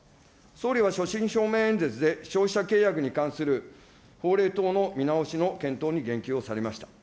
総理は所信表明演説で、消費者契約に関する法令等の見直しの検討に言及をされました。